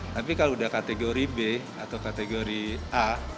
tapi kalau udah kategori b atau kategori a